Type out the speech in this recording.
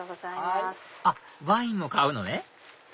あっワインも買うのね